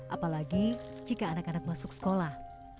apalagi jika anak anak masuk sekolah